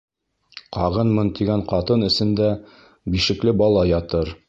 Ҡағынмын тигән ҡатын эсендә бишекле бала ятыр.